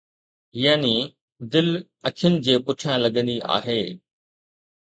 يعني دل، اکين جي پٺيان لڳندي آهي